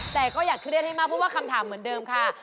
แต่ก็อย่าเครียดให้มากเพราะว่าคำถามเหมือนเดิมค่ะ